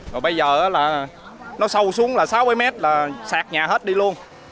rồi bây giờ là nó sâu xuống là sáu bảy mét là sạt nhà hết đi luôn